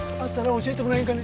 教えてもらえんかね